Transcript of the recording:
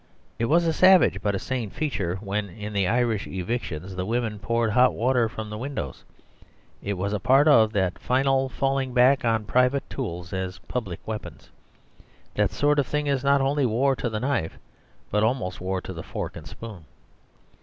It was a savage but a sane feature when, in the Irish evictions, the women poured hot water from the windows; it was part of a final falling back on private tools as public weapons. That sort of thing is not only war to the knife, but almost war to the fork and spoon.